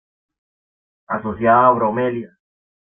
Asociada a bromelias.